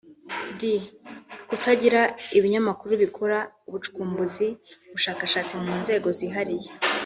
d) Kutagira ibinyamakuru bikora ubucukumbuzi (ubushakashatsi) mu nzego zihariye